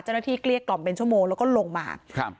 เจ้าหน้าที่เกลียดกล่อมเป็นชั่วโมงแล้วก็ลงมาครับ